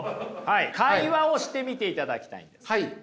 会話をしてみていただきたいんです。